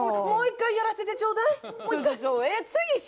もう一回やらせてちょうだい。